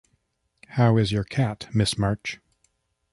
How is your cat, Miss March?